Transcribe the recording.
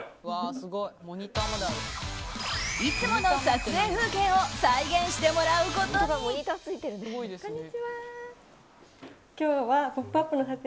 いつもの撮影風景を再現してもらうことに。